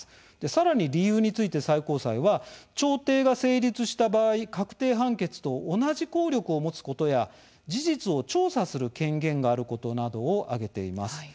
さらに理由について最高裁は調停が成立した場合確定判決と同じ効力を持つことや事実を調査する権限があることなどを挙げています。